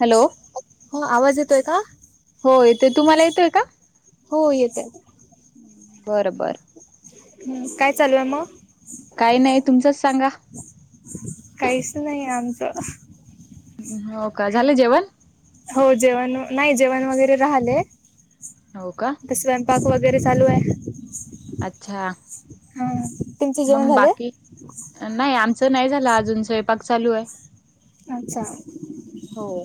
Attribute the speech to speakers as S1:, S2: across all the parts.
S1: Hello
S2: हो आवाज येतोय का
S1: ते तुम्हाला येतोय का
S2: हो येते
S1: बरं बरं
S2: हम्म काय चालू आहे मग
S1: काही नाही तुमचंच सांगा
S2: काहीच नाही आमचं
S1: हो का झालंय जेवण
S2: हो जेवण नाही जेवण वगैरे झालय
S1: हो का
S2: तर स्वयंपाक वैगै वगैरे चालू आहे
S1: अच्छा
S2: हा तुमचे
S1: मग
S2: जेवण झाले?
S1: बाकी नाही आमचं नाही झालं अजून स्वयंपाक चालू आहे
S2: अच्छा
S1: हो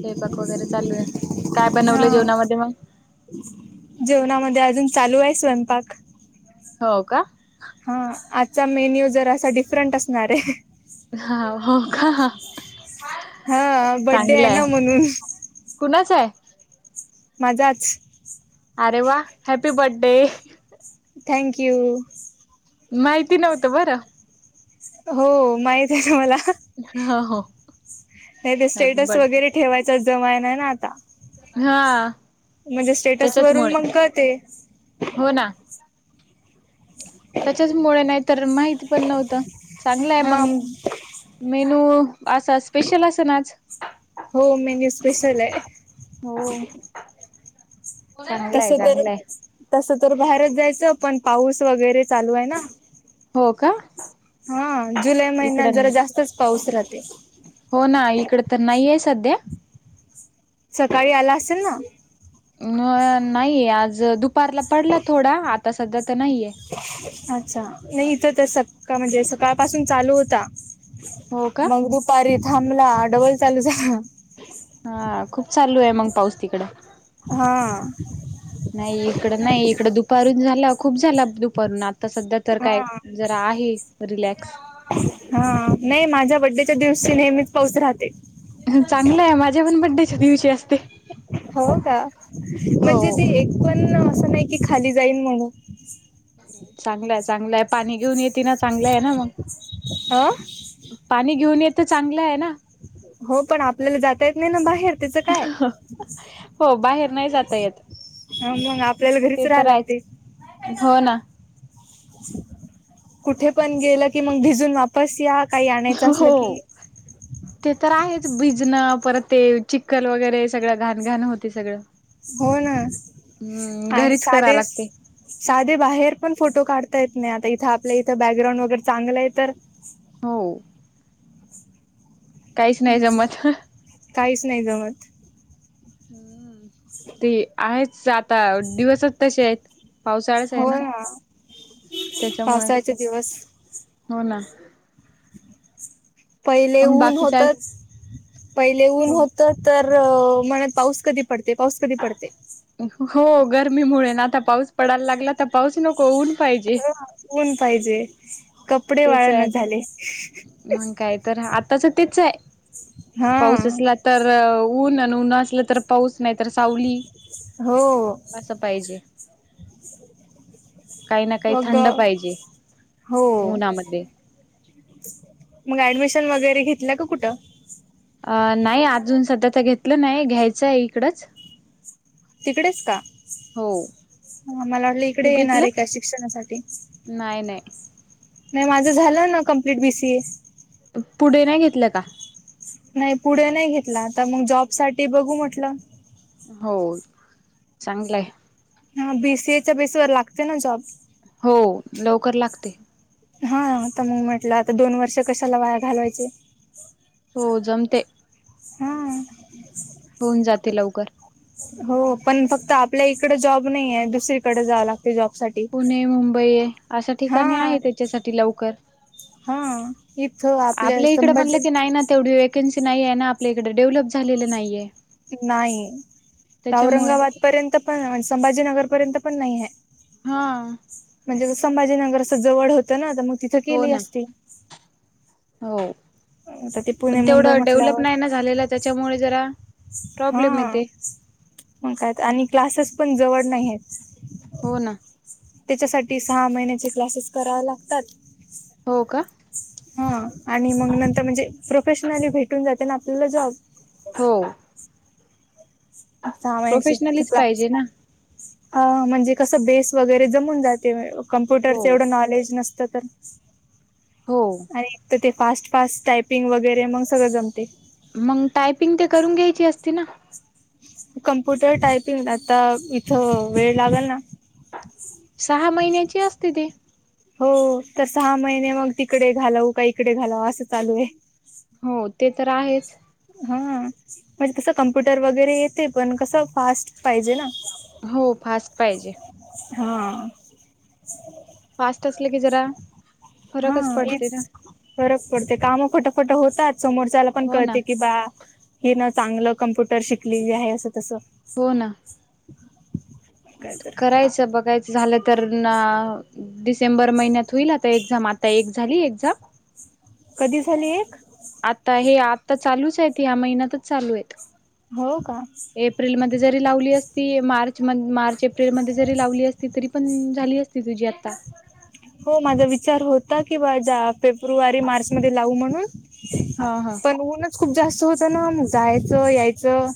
S1: स्वपाक वगैरे चालू आहे काय बनवलं
S2: हा
S1: जेवणामध्ये मग
S2: जेवणामध्ये अजून चालू आहे स्वयंपाक
S1: हो का
S2: हा आजचा मेन्यू जर असा डिफरंट असणार आहे
S1: हा हो का
S2: हा बड्डे आहे ना म्हणून
S1: कुणाचा हाय
S2: माजाच
S1: अरे वा हॅपी बर्थडे
S2: थँक यू
S1: माहिती नव्हतं बरं
S2: हो माहित आहे तुम्हाला
S1: हा हो
S2: नाही ते
S1: हॅपी
S2: स्टेटस
S1: बर्थडे
S2: वगैरे ठेवायचाच जमायन ना आता
S1: हा
S2: म्हणजे स्टेटस वरून
S1: त्याच्याचमुळे
S2: मग का ते
S1: त्याच्याच मुळ नाही तर माहिती पण नव्हतं चांगलं आहे
S2: हा
S1: मग मेनू असा स्पेशल अस ना आज
S2: हो मेन्यू स्पेशल आहे
S1: हो चांगला
S2: तस
S1: आहे
S2: तर
S1: चांगला आहे
S2: तस तर बाहेरच जायचं पण पाऊस वगैरे चालू आहे ना
S1: हो का
S2: हा जुलै
S1: इकड
S2: महिन्यात जरा जास्तच पाऊस राहते
S1: हो ना इकड तर नाहीये सध्या.
S2: सकाळी आला असेल ना.
S1: अह नाही आज दुपारला पडला थोडा आता सध्या तर नाहीये
S2: अच्छा नाही इथं तर सका म्हणजे सकाळ पाासून चालू होता.
S1: हो का
S2: मग दुपारी थांबला डबल चालू झाला.
S1: हा खूप चालू आहे मग पाऊस तिकड
S2: हा
S1: नाही इकड नाही इकडं दुपारून झाला. खूप झाला दुपारून आता सध्या तर काय
S2: हा
S1: जरा आहे रिलॅक्स
S2: हा नाही माझ्या बड्डेच्या दिवशी नेहमीच पाऊस राहते.
S1: चांगलं आहे माझ्या पण बड्डेच्या दिवशी असते.
S2: हो का म्हणजे
S1: हो
S2: ते एक पण असं नाही की खाली जाईन म्हणून.
S1: चांगलंय चांगलंय पाणी घेऊन येेतिना चांगलं आहे ना मग.
S2: हा.
S1: पाणी घेऊन येत चांगलं आहे ना.
S2: हो पण आपल्याला जाता येत नाही ना बाहेर त्याचं काय?
S1: हो बाहेर नाही जात येत.
S2: हा मग आपल्याला घरीच
S1: ते
S2: राहा
S1: तर आहेच
S2: लागते.
S1: हो ना.
S2: कुठे पण गेलं की मग भिजून वापस या. काही आणायचं
S1: हो
S2: असलं की
S1: ते तर आहेच भिजणं परत ते चिक्कल वगैरे सगळं घाणघाण होते सगळं.
S2: हो ना
S1: हम्म
S2: आणि
S1: घरीच करा
S2: साधे,
S1: लागते
S2: साधे बाहेर पण फोटो काढ ता येत नाही आता इथं आपल्या इथे बॅकग्राऊंड वगैरे चांगलं आहे तर
S1: हो. काहीच नाही जमत.
S2: काहीच नाही जमत
S1: हम्म ते आहेच आता दिवसच तसे आहेत. पावसाळाच आहे ना त्याच्यामुळे.
S2: पावसाळ्याचे दिवस
S1: हो ना.
S2: पहिले
S1: मग
S2: ऊन
S1: बाकीच आहे
S2: होतच पहिले ऊन
S1: हो
S2: होत तर तर म्हणे पाऊस कधी पडते पाऊस कधी पडते.
S1: हो गरमीमुळे ना आता पाऊस पडायला लागला तर पाऊस नको ऊन पाहिजे.
S2: ऊन पाहिजे कप कपडे
S1: तेच आहे
S2: वळणाच झाले.
S1: मग काय तर आताच तेच हाय
S2: हा
S1: पाऊस असला तर ऊन अन ऊन असल तर पाऊस नाय तर सावली
S2: हो
S1: अस पाहिजे. काही ना काही
S2: मग
S1: थंड पाहिजे
S2: हो
S1: उन्हामध्ये.
S2: मग ऍडमिशन वगैरे घेतलं का कुठं.
S1: आता त घेतलं नाही घ्यायचं आहे इकडंच.
S2: तिकडेच का.
S1: हो
S2: हा मला वाटलं
S1: तू
S2: इकडे येणार
S1: घेतलं
S2: आहे का शिक्षणासाठी.
S1: नाही नाही
S2: नाही माझं झालं ना कंप्लीट बी, सी, ए.
S1: पुढे नाही घेतलं का.
S2: नाही पुढे नाही घेतला आता मग जॉब साठी बघू म्हटलं.
S1: हो चांगलंय.
S2: हा बी, सी, ए च्या बेस वर लागते ना जॉब.
S1: हो लवकर लागते.
S2: हा आता मग म्हटलं आता दोन वर्ष कशाला वाया घालवायचे.
S1: हो जमते.
S2: हा.
S1: होऊन जाते लवकर.
S2: हो पण फक्त आपल्या इकड जॉब नाही आहे दुसरीकडे जाव लाग
S1: पुणे, मुंबई अशा
S2: हा
S1: ठिकाणी आहे त्याच्यासाठी लवकर.
S2: हा इथं
S1: आपल्या इकडे म्हणलं
S2: संभाजी
S1: की नाही ना तेवढी वेक वेकन्सी नाहीये ना आपल्या इकड डेव्हलप झालेलं नाहीये.
S2: नाही
S1: त्याच्यामुळे
S2: औरंगाबाद पर्यंत पण संभाजीनगर पर्यंत पण नाही हाय.
S1: हा
S2: म्हणजे संभाजीनगर असं जवड होतं ना त म तिथं
S1: हो
S2: केली
S1: ना
S2: असती.
S1: हो
S2: आता ते
S1: पण
S2: पुणे मुंबई
S1: तेवढं डेव्हलप
S2: म्हटल्यावर
S1: नाय न झालेलां त्याच्यामुळे जरा
S2: हा
S1: प्रॉब्लेम येते.
S2: मग काय त आणि क्लासेस पण जवड नाय आहेत.
S1: हो ना.
S2: त्याच्यासाठी सहा महिन्याचे क्लासेस करावे लागतात.
S1: हो का.
S2: हा आणि मंग नंतर म्हणजे प्रोफेशनली भेटून जाते ना आपल्याला जॉब.
S1: हो.
S2: सहा
S1: प्रोफेशनलीच पाहिजे
S2: महिन्याची
S1: ना
S2: [unintelligible] हा म्हणजे कसं बेस वगैरे जमून जाते
S1: हो.
S2: कम्प्युटरच एवढं नॉलेज नस त तर
S1: हो
S2: आणि एक त ते फास्ट फास्ट टायपिंग वगैरे मंग सगळं जमते.
S1: मंग टायपिंग ते करून घ्यायची असती ना.
S2: कम्प्युटर टायपिंग आता इथ वेळ लागल ना.
S1: सहा महिन्याची असते ती
S2: हो तर सहा महिने मग तिकडे घालव का इकडे घालव असं चालू ये.
S1: हो ते तर आहेच.
S2: हा म्हणजे तसं कम्प्युटर वगैरे येते पण कसं फास्ट पाहिजे ना.
S1: हो फास्ट पाहिजे.
S2: हा.
S1: फास्ट असलं की जरा
S2: हा
S1: फरकच
S2: एक
S1: पडते ना.
S2: फरक पडते. काम फटाफटा होतात. समोरच्याला पण
S1: हो ना
S2: कळते की बा हिन चांगलं कम्प्युटर शिकलेली हाय असं तसं.
S1: हो ना.
S2: काय तर
S1: करायचं बघायचं झालं तर ना डिसेंबर महिन्यात होईल आता एक्झाम आता एक झाली एक्झाम.
S2: कधी झाली एक?
S1: ता हे आत्ता चालूच आहेत या महिन्यातच चालू येत.
S2: हो का
S1: एप्रिल म जरी लावली असती मार्च म मार्च अप्रल मध्ये जरी लावली असती तरी पण झाली असती तुझी आता
S2: हो माझा विचार होता की बा जा फेब्रुवारी मार्च मध्ये लावू म्हणून.
S1: हा हा
S2: पण ऊनच खूप जास्त होतं ना मग जायचं यायचं.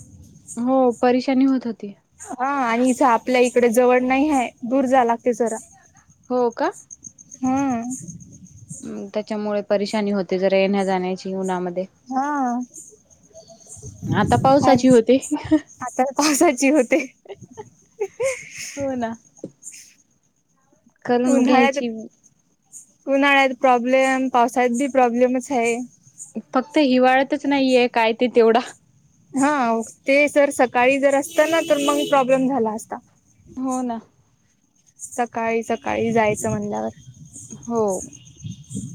S1: हो परेशानी होत होती.
S2: हा आणि इथ आपल्या इकडे जवड नाई हाय दूर जायला लागतय जरा.
S1: हो का
S2: हा
S1: हं त्याच्यामुळे परेशानी होते जरा येण्या जाण्याची उन्हा म
S2: हा.
S1: आता पावसाची
S2: आणि
S1: होते.
S2: आता पावसाची होते
S1: हो ना. करून
S2: उन्हाळ्यात
S1: घ्यायची.
S2: उन्हाळ्यात प्रॉब्लेम पावसात बी प्रॉब्लेमच हाय.
S1: फक्त हिवाळ्यातच नाहीये काय ते तेवढा
S2: हा ते सर सकाळी जर असत ना तर मंग प्रॉब्लेम झाला असता.
S1: हो ना
S2: सकाळी सकाळी जायचं म्हणल्यावर
S1: हो.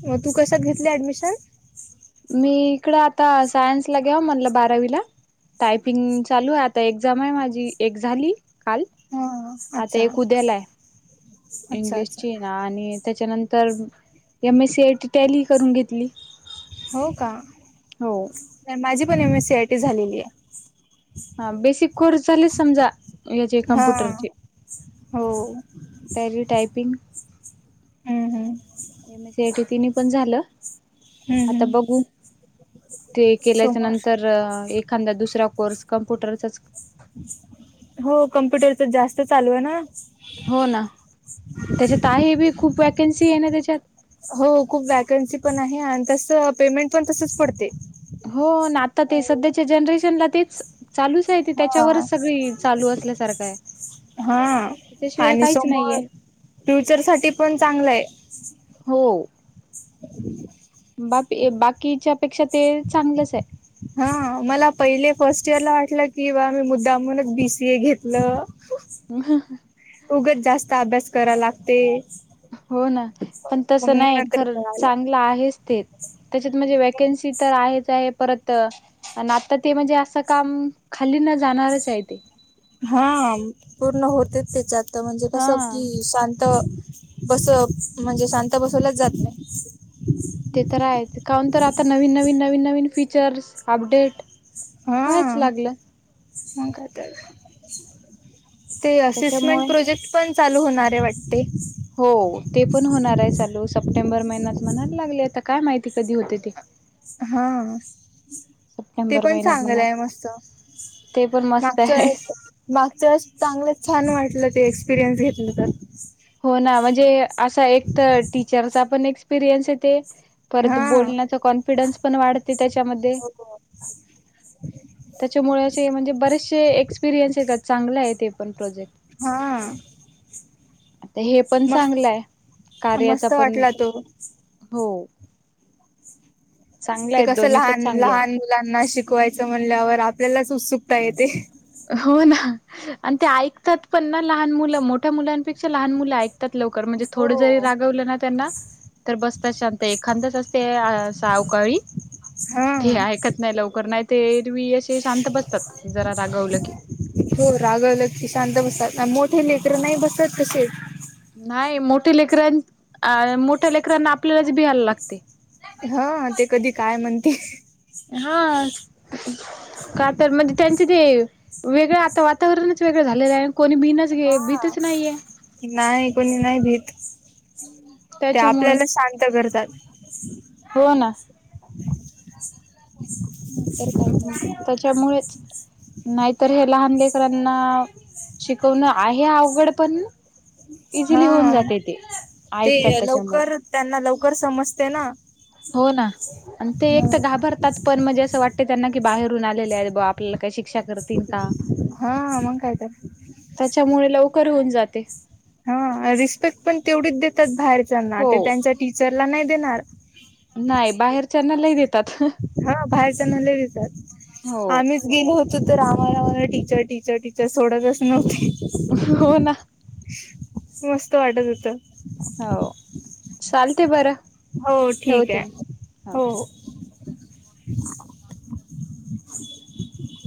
S2: म तू कशात घेतली ऍडमिशन?
S1: मी इकड आता सायन्स ला घ्याव म्हटलं बारावीला टायपिंग चालू आहे आता एक्झाम आहे माझी एक झाली काल
S2: हा
S1: आता
S2: अच्छा
S1: एक कुद्यालाय.
S2: अच्छा
S1: इंग्लिश
S2: अच्छा
S1: ची ना आणि त्याच्यानंतर एम एस सीटी टल ह करून घेतली.
S2: हो का
S1: हो
S2: नाही माझी पण M S C I T झालेली आहे.
S1: हा बेस कोर्स झाले समजा. याचे
S2: हा
S1: कम्प्युटरचे
S2: हो
S1: टरी टायपिंग
S2: हम्म हम्म
S1: एम सट. तिने पण झालं
S2: हम्म
S1: आता
S2: हम्म
S1: बघू. ते केल्याच्या
S2: समोर
S1: नंतर एखादा दुसरा कोर्स कम्प्युटरचाच
S2: हो कम्प्युटरच जास्त चालू आहे ना.
S1: हो ना त्याच्यात आहे बी खूप वॅकन्सी आहे ना त्याच्यात
S2: हो खूप वॅकन्सी पण आहे आणि तस पेमेंट पण तसच पडते.
S1: हो ना आता ते सध्याच्या जनरेशनला तेच चालूच आहे ते
S2: हा
S1: त्याच्यावरच सगळी चालू असल्यासारखं आहे.
S2: हा
S1: त्याच्याशिवाय
S2: आणि
S1: काहीच नाहीये.
S2: समोर फ्युचर साठी पण चांगलं आहे.
S1: हो.
S2: [unintelligible]
S1: बाकीच्या पेक्षा ते चांगलंच आहे.
S2: हा मला पहिले फर्स्ट इयर ला वाटलं की बा मी मुद्दामूनच बीसीए घेतलं. उगच जास्त अभ्यास करा लागते.
S1: हो ना पण
S2: मग
S1: तसं
S2: मग
S1: नाही
S2: नंतर
S1: खर
S2: कळालं
S1: चांगलं आहेच ते. त्याच्यात म्हणजे वॅकन्सी तर आहेत. परत आणि आता ते म्हणजे असं काम खाली न जाणारच आहे ते.
S2: हा पूर्ण होतेच त्याच्यात म्हणजे कसं
S1: हा
S2: की शांत. बस म्हणजे शांत बसवलाच जात नाही.
S1: ते तर आहे काण तर आता नवीन नवीन नवीन नवीन फीचर्स अपडेट. वयच लागलं.
S2: का ते असिसमेंट
S1: त्याच्यामुळे
S2: प्रोजेक्ट पण चालू होणारे वाटते.
S1: हो ते पण होणार आहे चालू सप्टेंबर महिन्यात म्हणायला लागले आता काय माहिती कधी होते ते.
S2: हा ते
S1: सप्टेंबर
S2: पण
S1: महिन्यात
S2: चांगलंय
S1: म्हणाला
S2: मस्त.
S1: ते पण मस्त
S2: मागच्या
S1: आहे.
S2: वेळेस मागच्या वेळेस चांगलं छान वाटलं. ते एक्सपिरियन्स घेतल तर
S1: हो ना म्हणजे असा एक तर टीचरचा पण एक्सपिरियन्स येते. परत
S2: हा
S1: बोलण्याचा कॉन्फिडन्स पण वाढत. त्याच्यामध्ये त्याच्यामुळे अस म्हणजे बरेच. चे एक्सपिरियन्सेत चांगला आहे ते पण प्रोजेक्ट
S2: हा.
S1: आता हे पण
S2: मस्त
S1: चांगलंय कार्याचा
S2: मस्त
S1: पण
S2: वाटला तो
S1: हो. चांगला
S2: ते
S1: आहेत
S2: कसं
S1: दोन्ही पण
S2: लहान
S1: चांगले आहेत.
S2: लहान मुलांना शिकवायचं म्हणल्यावर आपल्यालाच उत्सुकता येते.
S1: हो ना आणि ते ऐकतात पण ना लहान मुलं मोठ्या मुलांपेक्षा लहान मुलं ऐकतात. लवकर म्हणजे थोडं जरी
S2: हो
S1: रागवलं ना त्यांना तर बसतात शांत. खांदच असते सावकाळी
S2: हा
S1: तेऐकत नाही लवकर नाही तर एरवी शांत बसतात जरा रागवलं की
S2: हो रागवलं की शांत बसतात मोठे लेकरं नाही बसत तसे.
S1: नाही मोठ्या लेकरां अ मोठ्या लेकरांना आपल्यालाच भियायला लागते.
S2: हा ते कधी काय म्हणते.
S1: हा. का तर म्हणजे त्यांचं ते वेगळं आता वातावरणच वेगळं झालेलं आहे. कोणी बीनच घे
S2: हा
S1: भीतच नाहीये
S2: नाही कोणी नाही भीत ते
S1: त्याच्यामुळे
S2: आपल्याला शांत करतात.
S1: हो ना
S2: तर काय
S1: हम्
S2: तर.
S1: त्याच्यामुळेच नाहीतर हे लहान लेकरांना शिकवणं आहे अवघड पण इझिली होऊन
S2: हा
S1: जाते ते
S2: ते
S1: ऐकतात त्याच्यामुळे
S2: लवकर त्यांना लवकर समजते ना.
S1: हो ना आणि ते एक तर घाबरतात पण म्हणजे असं वाटत त्यांना की बाहेरून आलेले आहेत ब आपल्याला काय शिक शिक्षा करतील का
S2: हा मग काय तर.
S1: त्याच्यामुळे लवकर होऊन जाते.
S2: हा रिस्पेक्ट पण तेवढीच देतात बाहेरच्याना
S1: हो
S2: ते त्यांच्या टीचरला नाही देणार
S1: नाही बाहेरच्याना ल देत
S2: हा बाहेरचणले नाही
S1: हो
S2: देतात आम्हीच गेलो होतो तर आमा रामाला टीचर टीचर टीचर सोडतच नव्हते.
S1: हो ना
S2: मस्त वाटत होतं
S1: हो चालते बरं
S2: हो ठीके
S1: ठेवते मग
S2: हो